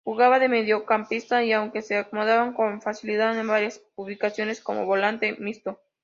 Jugaba de mediocampista aunque se acomodaba con facilidad en varias ubicaciones como volante mixto.